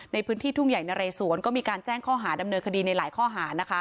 ในพื้นที่ทุ่งใหญ่นะเรสวนก็มีการแจ้งข้อหาดำเนินคดีในหลายข้อหานะคะ